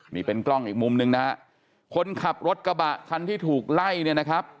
นี่เป็นกล้องอีกมุมหนึ่งนะฮะคนขับรถกระบะคันที่ถูกไล่เนี่ยนะครับ